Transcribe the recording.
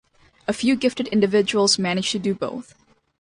A few gifted individuals manage to do both.